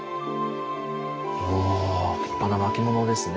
お立派な巻物ですね。